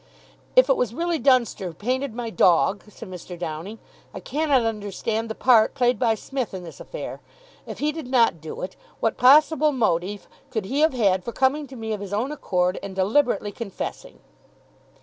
"If it was really Dunster who painted my dog," said Mr. Downing, "I cannot understand the part played by Smith in this affair. If he did not do it, what possible motive could he have had for coming to me of his own accord and deliberately confessing?"